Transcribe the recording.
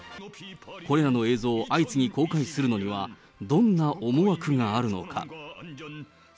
これらの映像を相次ぎ公開するのには、どんな思惑があるのか。